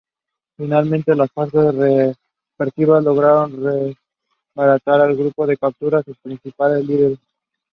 Jim Gray anchored the broadcasts alongside Phil Liggett and James Brown.